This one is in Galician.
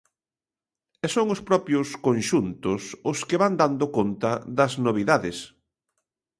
E son os propios conxuntos os que van dando conta das novidades.